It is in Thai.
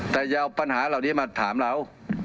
แต่อย่าเอาปัญหาเหล่านี้มาถามเรา